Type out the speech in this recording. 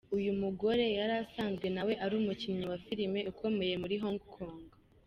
Uyu mugore yari asanzwe na we ari umukinnyi wa filime ukomeye muri Hong Kong.